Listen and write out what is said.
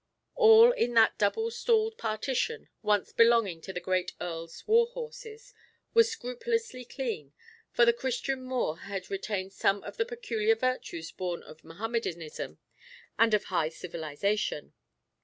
All in that double stalled partition, once belonging to the great earl's war horses, was scrupulously clean, for the Christian Moor had retained some of the peculiar virtues born of Mohammedanism and of high civilisation.